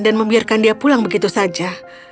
dan membiarkan dia pulang begitu saja